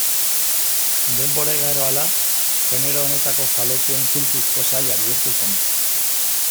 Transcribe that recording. Denbora igaro hala, genero honetako zaletuen kultuzko saila bihurtu zen.